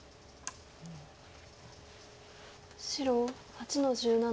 白８の十七。